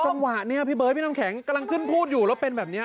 จังหวะนี้พี่เบิร์ดพี่น้ำแข็งกำลังขึ้นพูดอยู่แล้วเป็นแบบนี้